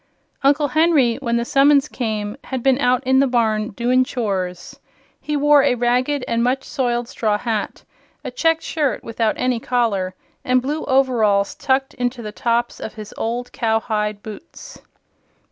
Uncle Henry, when the summons came, had been out in the barn "doin' chores." He wore a ragged and much soiled straw hat, a checked shirt without any collar and blue overalls tucked into the tops of his old cowhide boots.